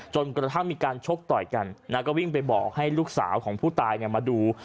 จนกระทั่งมีการชกต่อยกันนะก็วิ่งไปบอกให้ลูกสาวของผู้ตายมาดู